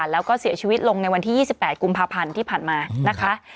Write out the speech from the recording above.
แล้วก็เสียชีวิตลงในวันที่๒๘กุมภาพันธ์ที่ผ่านมานะคะ